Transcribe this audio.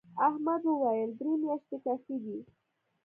احمد وويل: درې میاشتې کافي دي.